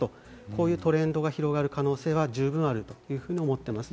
そういうトレンドが広がる可能性は十分あると思っています。